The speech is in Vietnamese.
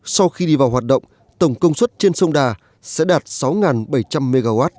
sau khi đi vào hoạt động tổng công suất trên sông đà sẽ đạt sáu bảy trăm linh mw